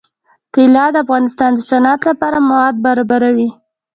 طلا د افغانستان د صنعت لپاره مواد برابروي.